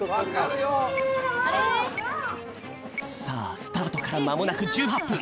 さあスタートからまもなく１８ぷん！